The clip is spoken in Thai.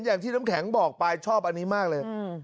อย่างที่น้ำแข็งบอกไปชอบอันนี้มากเลย